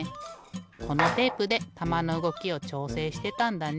このテープでたまのうごきをちょうせいしてたんだね。